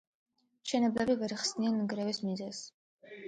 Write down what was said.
მშენებლები ვერ ხსნიან ნგრევის მიზეზს.